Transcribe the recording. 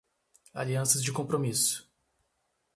Alianças de compromisso